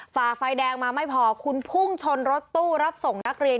ฝ่าไฟแดงมาไม่พอคุณพุ่งชนรถตู้รับส่งนักเรียน